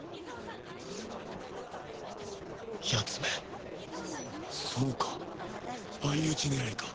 やつめそうか相打ち狙いか